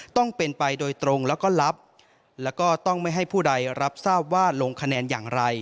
ต้องเป็นไปโดยตรงแล้วก็รับแล้วก็ต้องไม่ให้ผู้ใดรับทราบว่าลงคะแนนอย่างไร